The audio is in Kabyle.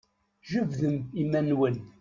Jebdem iman-nwen!